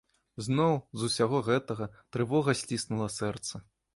Зноў, з усяго гэтага, трывога сціснула сэрца.